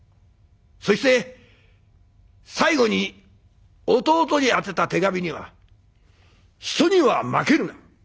そして最後に弟に宛てた手紙には「人には負けるな。